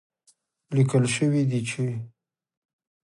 ليکل شوي دي چې